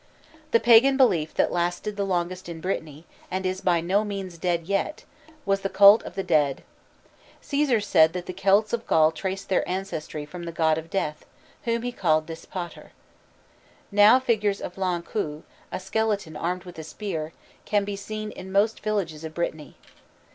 The pagan belief that lasted the longest in Brittany, and is by no means dead yet, was the cult of the dead. Cæsar said that the Celts of Gaul traced their ancestry from the god of death, whom he called Dispater. Now figures of l'Ankou, a skeleton armed with a spear, can be seen in most villages of Brittany.